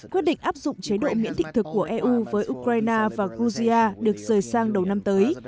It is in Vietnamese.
quyết định áp dụng chế độ miễn thị thực của eu với ukraine và georgia được rời sang đầu năm tới